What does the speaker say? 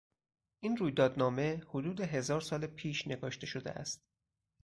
این رویداد نامه حدود هزار سال پیش نگاشته شده است.